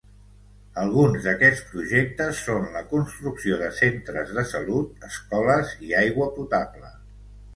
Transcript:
Alguns d'aquests projectes són la construcció de centres de salut, escoles i agua potable.